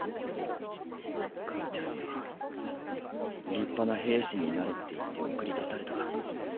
母ちゃんには立派な兵士になれって言って送り出された。